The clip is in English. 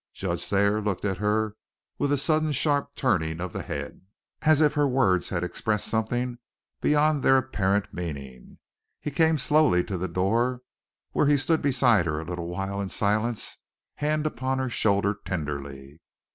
Judge Thayer looked at her with a sudden sharp turning of the head, as if her words had expressed something beyond their apparent meaning. He came slowly to the door, where he stood beside her a little while in silence, hand upon her shoulder tenderly.